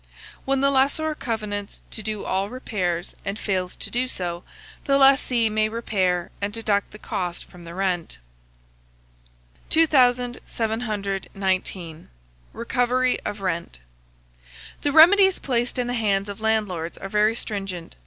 When the lessor covenants to do all repairs, and fails to do so, the lessee may repair, and deduct the cost from the rent. 2719. RECOVERY OF RENT. The remedies placed in the hands of landlords are very stringent.